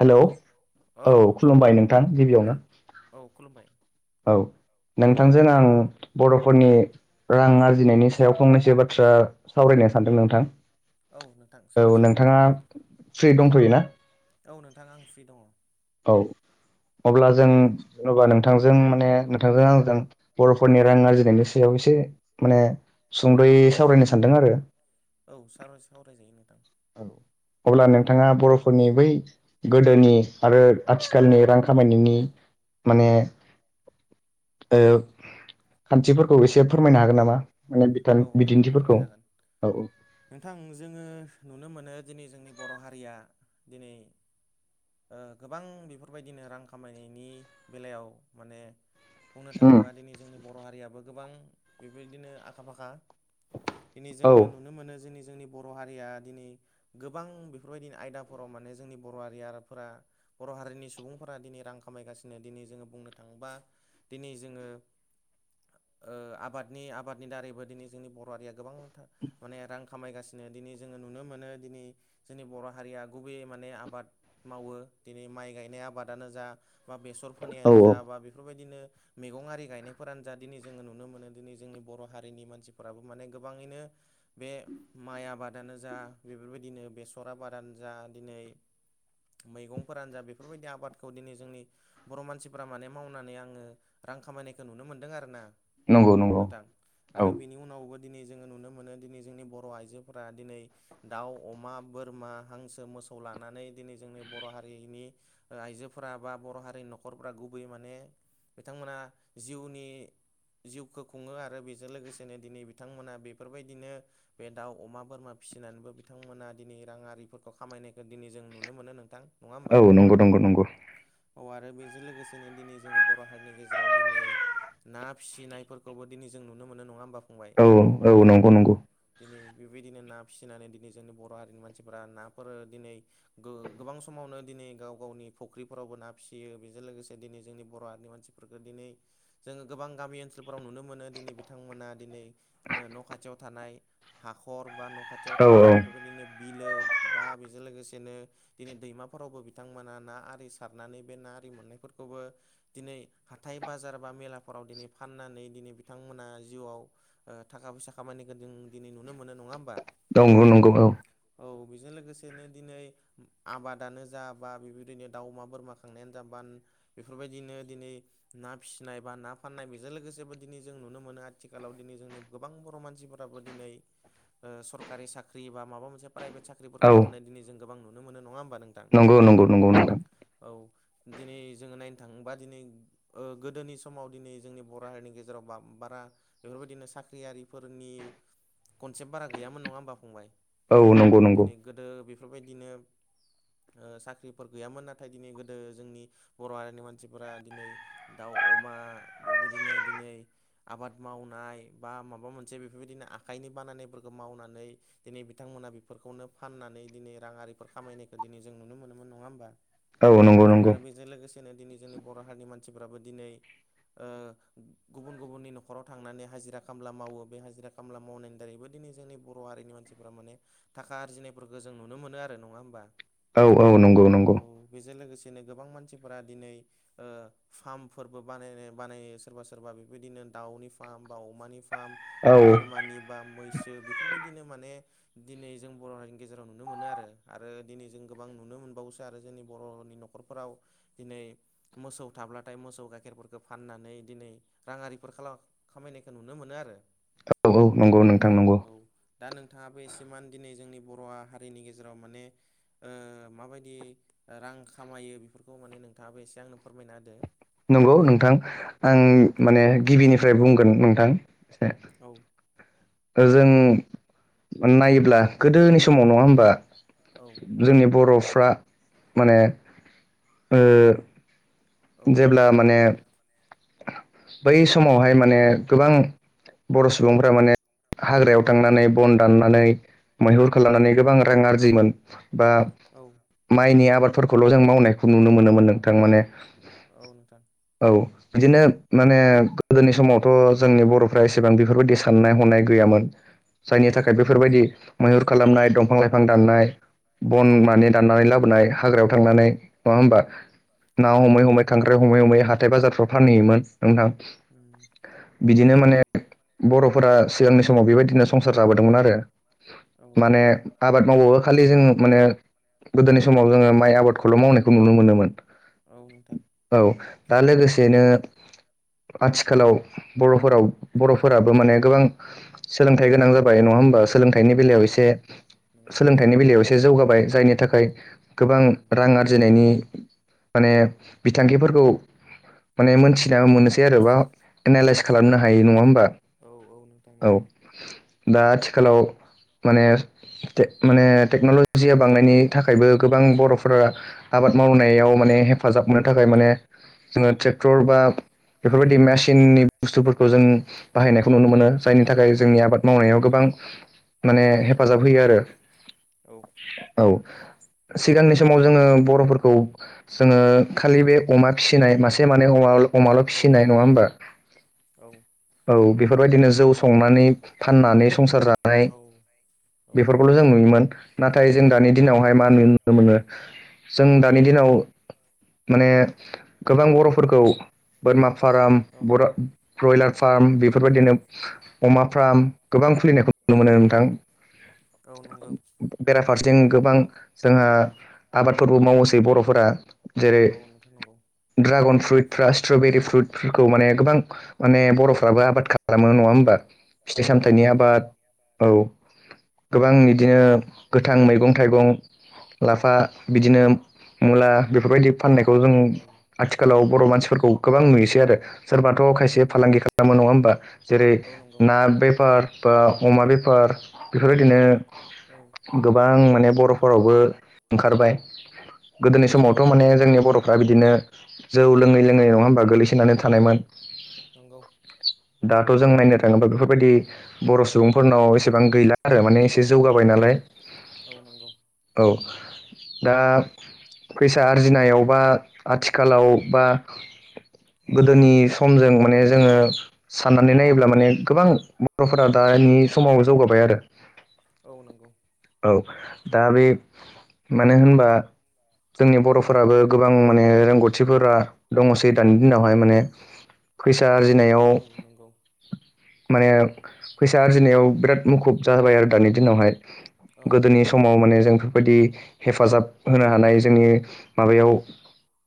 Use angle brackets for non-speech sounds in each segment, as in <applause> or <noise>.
Hello औ खुलुमबाय नोंथां गिबियावनो। औ खुलुमबाय औ नोंथांजों आं बर'फोरनि रां आरजिनायनि सायाव फंनैसो बाथ्रा सावरायनो सानदों नोंथां। औ नोंथां औ सावरायजागोन नोंथाङा फ्रियै दंथ'यो ना? औ नोंथां आं फ्रि दङ। औ अब्ला जों ओमबा नोंथांजों माने नोंथांजों आंजों बर'फोरनि रां आरजिनायनि सायाव एसे माने औ सुंद'यै नोंथां सावरायनो सानदों आरो। औ सा सावराय जायो नोंथां। अब्ला नोंथाङा बर'फोरनि बै गोदोनि आरो आथिखालनि रां खामायनायनि माने ओ खान्थिफोरखौ एसे फोरमायनो हागोन नामा? माने औ बिथान नोंथां बिदिन्थिफोरखौ फोरमायजागोन औ नोंथां जोङो नुनो मोनो दिनै जोंनि बर' हारिया दिनै ओ गोबां बिफोरबायदिनो रां खामायनायनि बेलायाव माने बुंनो उम थाङोबा दिनै जोंनि बर' हारियाबो गोबां बिबायदिनो आखा फाखा दिनै औ जोङो नुनो मोनो जोंनि जोंनि बर' हारिया दिनै गोबां बेफोरबायदि आयदाफोराव माने जोंनि बर' हारि फोर बर' हारिनि सुबुंफोरा दिनै रां खामायगासिनो दिनै जोङो बुंनो थाङोबा दिनै जोङो ओ आबादनि आबादनि दारैबो दिनै जोंनि बर' हारिया गोबांथा माने रां खामायगासिनो दिनै जोङो नुनो मोनो दिनै जोंनि बर' हारिया गुबैयै माने आबाद मावो दिनै माइ गायनाय आबादानो जा बा बेसर औ फोनायानो औ जा बा बेफोरबायदिनो मैगं आरि गायनायफोरानो जा दिनै जोङो नुनो मोनो दिनै जोंनि बर' हारिनि मानसिफोराबो माने गोबाङैनो बे माइ आबादानो जा बेफोरबायदिनो बेसर आबादानो जा दिनै मैगंफोरानो जा बेफोरबायदि आबादखौ दिनै जोंनि बर' मानसिफोरा माने मावनानै आङो रां खामायनायखौ नुनो मोनदों आरो ना नंगौ नंगौ नोंथां औ आरो बिनि उनावबो दिनै जोङो नुनो मोनो दिनै जोंनि बर' आइजोफोरा दिनै दाउ अमा बोरमा हांसो मोसौ लानानै दिनै जोंनि बर' हारिनि ओ आइजोफोरा बा बर' हारिनि न'खरफ्रा गुबै माने बिथांमोना जिउनि जिउखो खुङो आरो बेजों लोगोसेनो दिनै बिथांमोना बेफोरबायदिनो बे दाउ अमा बोरमा फिसिनानैबो बिथांमोना दिनै राङारिफोरखौ खामायनायखौ दिनै जों नुनो मोनो नों थां नङा औ होमबा नंगौ नंगौ नंगौ औ आरो बेजों लोगोसेनो दिनै जोङो बर' हारिनि गेजेराव दिनै ना फिसिनायफोरखौबो दिनै जोंङो नुनो मोनो नङा होनबा फंबाय औ औ नंगौ औ नंगौ दिनै बेबायदिनो ना फिसिनानै दिनै जोंनि बर' हारिनि मानसिफोरा नाफोर दिनै गो गोबां समावनो दिनै गाव गावनि फख्रिफोरावबो ना फिसियो बेजों लोगोसे दिनै बर' हारिनि मानसिफोरखौ दिनै जोङो गोबां गामि ओनसोलफोराव नुनो मोनो दिनै बिथांमोना दिनै ओ न' खाथियाव थानाय हाख'र बा न' खाथियाव औ थानाय बेफोरबायदिनो बिलो बा बेजों लोगोसेनो दिनै दैमाफोरावबो बिथांमोना ना आरि सारनानै बे ना आरि मोननायफोरखौबो दिनै हाथाय बाजार बा मेलाफोराव दिनै फाननानै दिनै बिथांमोना जिउआव ओ थाखा फैसा खामायनायखौ जों दिनै नुनो मोनो नङा होमबा नंगौ नंगौ औ औ बेजों लोगोसेनो दिनै आबादानो जा बा बेबायदिनो दाउ अमा बोरमा खांनायानो जा बा बेफोरबायदिनो दिनै ना फिसिनाय बा ना फाननाय बेजों लोगोसेबो दिनै जों नुनो मोनो आथिखालाव दिनै जोंनि गोबां बर' मानसिफोराबो दिनै ओ सरकारि साख्रि बा माबा मोनसे प्राइभेट औ साख्रिफोरखौ मावनाय दिनै जों गोबां नुनो मोनो नङा होनबा नों नंगौ नंगौ नंगौ नोंथां औ दिनै जोङो थाङोबा दिनै ओ गोदोनि समाव दिनै जोंनि बर' हारिनि गेजेराव बा बारा बेफोरबायदिनो साख्रियारिफोरनि कनसेप्ट बारा गैयामोन नङा होमबा फंबाय औ नंगौ नंगौ दिनै गोदो बेफोरबायदिनो ओ साख्रिफोर गैयामोन नाथाय दिनै गोदो जोंनि बर' हारिनि मानसिफोरा दिनै दाउ अमा बेबायदिनो दिनै आबाद मावनाय बा मोनसे बेफोरबायदिनो आखाइनि बानायनायफोरखौ मावनानै दिनै बिथांमोना बेफोरखौनो फाननानै दिनै राङारिफोर‌ खामयनाय दिनै जों नुनो मोनोमोन नङा होनबा औ नंगौ नंगौ जों लोगोसेनो दिनै जोंनि बर' हारिनि मानसिफ्राबो दिनै ओ गुबुन गुबुननि न'खराव थांनानै हाजिरा खामला मावो बे हाजिरा खामला मावनायनि दारैबो दिनै जोंनि बर' हारिनि मानसिफ्रा माने थाखा आरजिनायफोरखौ जों नुनो मोनो आरो नङा होमबा औ औ नंगौ नंगौ औ बेजों लोगोसेनो गोबां मानसिफोरा दिनै ओ फार्मफोरबो बानायनाय बानायो सोरबा सोरबा बेबायदिनो दाउनि फार्म बा अमानि फार्म औ बा बोरमानि बा मैसो बेफोरबायदिनो माने दिनै जों बर' हारिनि गेजेराव नुनो मोनो आरो आरो दिनै जों गोबां नुनो मोनबावोसो आरो जोंनि बर'नि न'खरफोराव दिनै मोसौ थाब्लाथाय मोसौ गाइखेरफोरखौ फाननानै दिनै राङिफोर खाला खामायनायखौ नुनो मोनो आरो औ औ नंगौ नोंथां नंगौ औ दा नोंथाङाबो एसे मान दिनै जोंनि बर' हारिनि गेजेराव माने ओ माबायदि रां खामायो बेफोरखौ माने नोंथाङाबो एसे आंनो फोरमायना होदो नंगौ नोंथां आं माने गिबिनिफ्राय बुंगोन नोंथां एसे औ जों नायोब्ला गोदोनि समाव नङा होमबा औ जोंनि बर'फ्रा माने ओ औ नोंथां जेब्ला माने बै समावहाय माने गोबां बर' सुबुंफोरा माने हाग्रायाव औ थांनानै बन दाननानै मैहुर औ खालामनानै गोबां रां आरजिगोन बा औ माइनि आबादफोरखौल' जों मावनायखौ नुनो मोनोमोन नोंथां माने औ नोंथां औ बिदिनो माने गोदोनि समावथ' जोंनि बर'फ्रा एसेबां बेफोरबायदि साननाय हनाय गैयामोन जायनि औ थाखाय बेफोरबायदि मैहुर खालामनाय दंफां लाइफां दाननाय बन औ माने दाननानै लाबोनाय हाग्रायाव थांनानै नंआ होनबा ना औ उम हमै हमै खांख्राइ हमै हमै हाथाय बाजारफ्राव फानहैयोमोन नोंथां बिदिनो नंगौ माने बर'फोरा सिगांनि समाव बेबायदिनो संसार जाबोदोंमोन आरो औ माने आबाद मावबाबो खालि जों माने गोदोनि समाव जोङो माइ आबादखौल' मावनायखौ नुनो मोनोमोन औ नोंथां औ दा लोगोसेनो आथिखालाव बर'फोराव बर'फोराबो औ माने गोबां सोलोंथाइ गोनां जाबाय नङा होमबा सोलोंथाययनि औ बेलायाव एसे नोंथां नंगौ सोलोंथाइनि बेलायाव एसे जौगाबाय जायनि थाखाय गोबां औ रां आरजिनायनि माने बिथांखिफोरखौ माने मोनथिना औ मोननोसै आरो बा एनालाइस खालामनो हायो नङा होमबा औ औ नोंथां औ नंगौ दा आथिखालाव माने टेक माने टेक्न'लजिया बांनायनि थाखायबो गोबां बर'फोरा आबाद मावनायाव माने हेफाजाब मोननो थाखाय माने जोङो ट्रेक्टर बा बेफोरबायदि मेसिननि सुबुंफोरखौ जों बाहायनायखौ नुनो मोनो जायनि थाखाय जोंनि आबाद मावनायाव गोबां माने औ नोंथां हेफाजाब होयो नंगौ आरो। औ औ सिगांनि समाव जोङो बर'फोरखौ जोङो खालि बे अमा फिसिनाय मासे <unintelligible> माने अमा अमाल' औ फिसिनाय नङा होमबा औ औ बेफोरबायदिनो जौ संनानै फाननानै संसार जानाय औ बेफोर <unintelligible> जों नुयोमोन नाथाय जों दानि दिनावहाय मा नुुनो मोनो जों दानि दिनाव माने गोबां बर'फोरखौ बोरमा फाराम औ बरा ब्रयलार फार्म बेफोरबायदिनो अमा फार्म गोबां खुलिनायखौ औ नुनो मोनो नोंथां। औ नंगौ बेराफारसें गोबां जोंहा आबादफोरबो मावोसै बर'फोरा जेरै, औ नोंथां नंगौ द्रागन फ्रुइटफ्रा स्ट्रबेरि फ्रुइटफोरखौ माने गोबां माने बर'फ्राबो आबाद खा खालामो नङा औ होमबा फिथाइ- औ सामथाइनि नंगौ आबाद फंबाय औ गोबां बिदिनो औ गोथ गोथां मैगं-थाइगं लाफा बिदिनो मुला बेफोरबायदि फाननायखौ जों औ आथिखालाव बर' मानसिफोरखौ गोबां नुयोसै आरो। सोरबाथ' औ खायसे फालांगि खालामो नङा होमबा जेरै, औ नंगौ ना बेफार बा अमा बेफार बेफोरबायदिनो औ गोबां माने बर'फोरावबो ओंखारबाय गोदोनि औ समावथ' माने जोंनि बर' फ्रा बिदिनो जौ लोङै-लोङै नङा होमबा गोगलैसोनानै थानायमोन। नंगौ दाथ' जों नायनो थाङोबा बेफोरबायदि बर' सुबुंफोरनाव एसेबां गैला आरो माने औ एसे नंगौ औ जौगाबाय नालाय औ नंगौ औ दा फैसा आरजिनायावबा आथिखालाव बा गोदोनि समजों माने जोङो साननानै नायोब्ला माने गोबां बर'फोरा दानि समाव जौगाबाय आरो। औ नंगौ औ दा बे मानो होनबा जोंनि बर'फोराबो गोबां माने रोंगौथि फोर दंसै दानि दिनावहाय माने फैसा आरजिनायाव माने फैसा आरजिनायाव बिराद मुखुब जाबाय आरो दानि दिनावहाय। औ गोदोनि स समाव माने जों बेफोरबायदि हेफाजाब होनो हानाय जोंनि माबायाव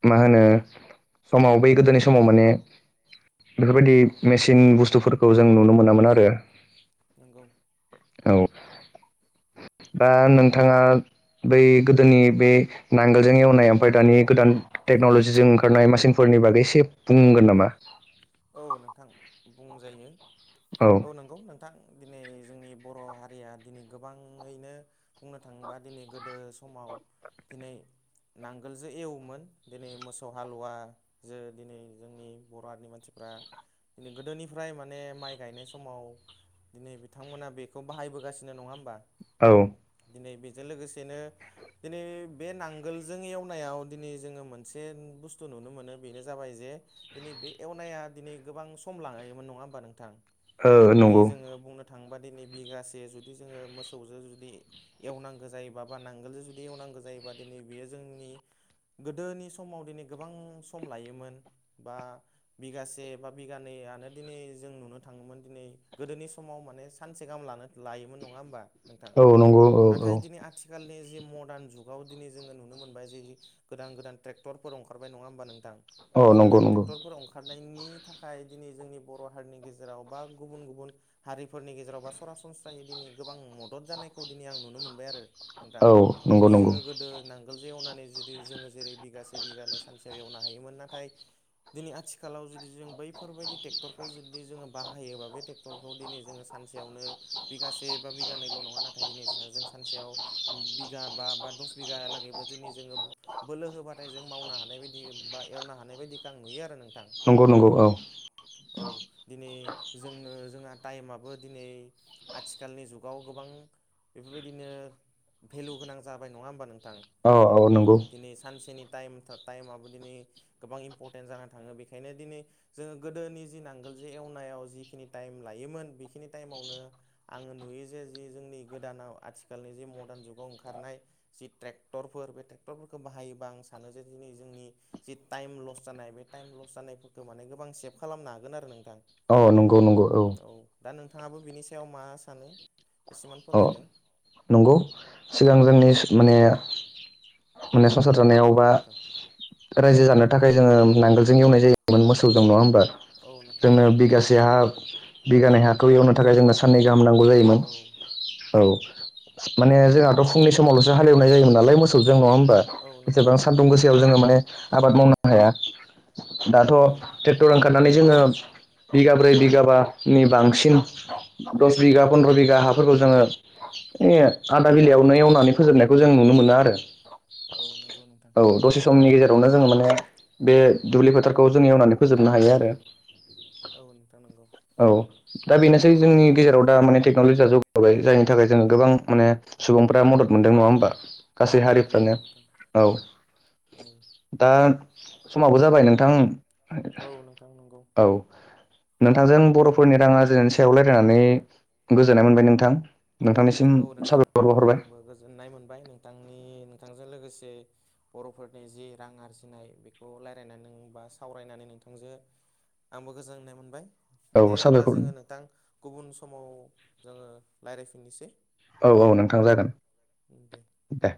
मा होनो समाव बै गोदोनि समाव माने बेफोरबायदि मेसिन बुस्थुफोरखौ जों नुनो मोनामोन आरो। नोंगौ औ दा नोंथाङा बै गोदोनि बे नांगोलजों एवनाय ओमफ्राय दानि गोदान टेक्न'लजिजों ओंखारनाय मासिनफोरनि बागै एसे बुंगोन नामा? औ नोंथां बुंजायो। औ औ नंगौ नोंथां दिनै जोंनि बर' हारिया दिनै गोबाङैनो बुंनो थाङोबा दिनै गोदो समाव दिनै नांगोलजों एवोमोन दिनै मोसौ हालुवा जो दिनै जोंनि बर' हारिनि मानसिफ्रा फ्रा गोदोनिफ्राय माने माइ गायनाय समाव दिनै बिथांमोना बेखौ बाहायबोगासिनो नङा होमबा औ दिनै बेजों लोगोसेनो दिनै बे नांगोलजों एवनायाव दिनै जोङो मोनसे बुस्थु नुनो मोनो बेनो जाबाय जे दिनै बे एवनाया दिनै गोबां सम लागायोमोन नङा होमबा नोंथां ओ दिनै नंगौ जोङो बुंनो थांबा दिनै बिगासे जुदि जोङो मोसौजों जुदि एवनांगो जायोबा बा नांगोलजो जुदि एवनांगो जायोबा दिनै बेयो जोंनि गोदोनि समाव दिनै गोबां सम लायोमोन बा बिगासे से बा बिगानै आनो दिनै जों नुनो थाङोमोन दि गोदोनि समाव माने सानसे गाहाम लनात लायोमोन नङा होमबा नोंथां औ नंगौ औ औ नाथाय दिनै आथ थिखालनि जि मदार्न जुगाव दिनै जोङो नुनो मोनबाय जे गोदान गोदान ट्रेक्टरफोर ओंखारबाय नङा होमबा नोंथां औ बे नंगौ गोदान नंगौ ट्रेक्टरफोर ओंखारनायनि नि थाखाय दिनै जोंनि बर' हारिनि गेजेराव बा गुबुन गुबुन हारिफोरनि गेजेराव बा सरासनस्रायै दिनै गोबां मदद जानायखौ दिनै आं नुनो मोनबाय आरो नोंथां औ नंगौ दिनै नंगौ जोङो गोद गोदो नांगोलजों एवनानै जुदि जोङो जेरै बिगासे बिगानै सानसेयाव एवनो हायोमोन नाथाय दिनै आथिखालाव जु जों बैफोरबायदि ट्रेक्टरखौ जुदि जोङो बाहायोबा बे ट्रेक्टरखौ दिनै जोङो सानसेयावनो बिगासे बा बिगानैल' नङा नाथाय जों सानसेयाव बिघा बा बा दस बिघालागैबो दिनै जोङो बोलो होबा फ्रायजों मावनो हानाय बायदि बा एवनो हानाय बायदिखो आं नुयो आरो नोंथां नंगौ नंगौ औ औ दिनै जोंनो जोंहा टाइमाबो दिनै आथिखालनि जुगाव गोबां बेफोरबायदिनो भेलु गोनां जाबाय नङा होमबा नोंथां औ औ नंगौ दिनै सानसेनि टाइम टाइमाबबो दिनै गोबां इम्परटेन्ट जाना थाङो बेखायनो दिनै जोङो गोदोनि जि नांगोल जे एवनायाव जिखिनि टाइम लायोमोन बेखिनि टाइमावनो। आङो नुयो जे जि जोंनि गोदानाव आथिखालनि जि मदार्न जुगाव ओंखारनाय। जि ट्रेक्टरफोर बे ट्रेक्टरफोरखौ बाहायोबा आं सानो जे दिनै जोंनि। जि टाइम लस जानाय बे टाइम लस जानायखौ। गोमानाय गोबां सेभ खालामनो हागोन आरो नोंथां औ नंगौ नंगौ औ। दा नोंथाङाबो बिनि सायाव मा सानो एसेबां औ फोरमायदो। नंगौ सिगां जोंनि माने। माने संसार जानायाव औ बा। नोंथां रायजो जानो थाखाय जोङो नांगोलजों एवनाय जायोमोन मोसौजों नङा होमबा। औ नोंथां जोनो औ नंगौ बिगासे हा। बिगानै हाखौ एवनो थाखाय जोंनो साननै गाहाम नांगौ जायोमोन औ औ। माने जोंहाथ' फुंनि समावल'सो हालेवनाय जायोमोन नालाय मोसौजों नङा होमबा औ नंगौ बेसेबां सानदुं गोसा सायाव जोङो माने आबाद मावनो हाया दाथ'। नंगौ ट्रेक्टर ओंखारनानै जोङो बिगाब्रै बिगाबानि बांसिन। औ दस बिघा नंगौ पन्द्र' बिगा हा फोरखौ जोङो बे आदा बिलायावनो एवनानै फोजोबनायखौ नुनो मोनो आरो। औ नंगौ नोंथां औ दसे समनि गेजेरावनो जोङो माने बे दुब्लि फोथारखौ जों एवनानै फोजोबनो हायो आरो। औ नोंथां नोंगौ। औ दा बेनोसै जोंनि गेजेराव दा माने टेक्न'लजिया जौगाबाय जायनि थाखाय जोङो गोबां माने सुबुंफ्रा मदद औ मोनदों नङा होमबा गासै औ हारिफ्रानो नंगौ नोंथां औ। औ दा समावो जाबाय नोंथां, औ नोंथां नंगौ। औ नोंथांजों औ बर'फोरनि रां आर्जिनायनि सायाव रायलायनानै गोजोननाय मोनबाय नोंथां नोंथांनि सिम औ नोंथां साबायखर बावहरबाय। आंबो गोजोननाय मोनबाय नोंथांनि नोंथांजों लोगोसे बर'फोरनि जि रां आरजिनाय बेखौ रायलायनानै नों बा सावरायनानै नोंथांजो आंबो गोजोननाय मोनबाय। औ दे होमब्ला साबायखर जोङो नोंथां गुबुन समाव जोङो रायज्लायफिननोसै। औ औ नोंथां जागोन। ओं दे। दे